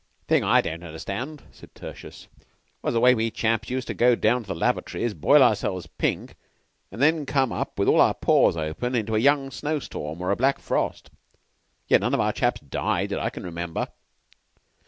"'Thing I don't understand," said Tertius, "was the way we chaps used to go down into the lavatories, boil ourselves pink, and then come up with all our pores open into a young snow storm or a black frost. Yet none of our chaps died, that I can remember."